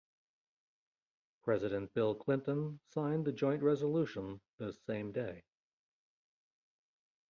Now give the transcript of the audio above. President Bill Clinton signed the joint resolution the same day.